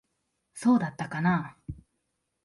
そうだったかなあ。